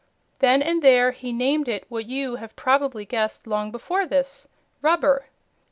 Then and there he named it what you have probably guessed long before this: "rub ber."